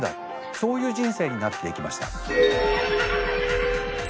そういう人生になっていきました。